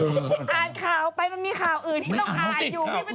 อ่านข่าวไปมันมีข่าวอื่นที่เราอ่านอยู่